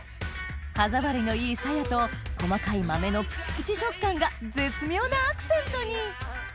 歯触りのいいさやと細かい豆のプチプチ食感が絶妙なアクセントに！